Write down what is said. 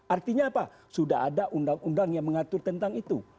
artinya apa sudah ada undang undang yang mengatur tentang itu